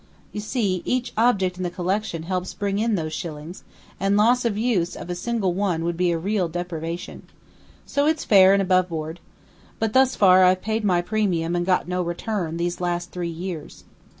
You see, each object in the collection helps bring in those shillings; and 'loss of use' of a single one would be a real deprivation. So it's fair and above board. But thus far, I've paid my premium and got no return, these last three years.